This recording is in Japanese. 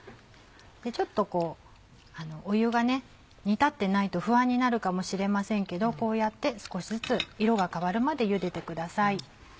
ちょっとこう湯が煮立ってないと不安になるかもしれませんけどこうやって少しずつ色が変わるまで茹でてください。